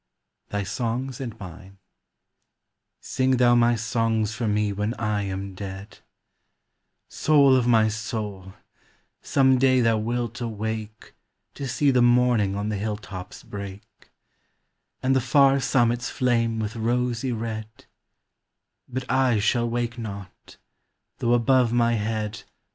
THY SONGS AND MINE. Sing thou my songs for me when T am dead f Soul of my son], some day thoii wilt awake To see the morning on the hilltops break, And the far summits flame with rosy red But I shall wake not, though above mv head 356 POEMS OF SENTIMENT.